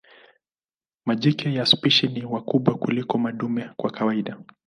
Majike ya spishi ni wakubwa kuliko madume kwa kawaida.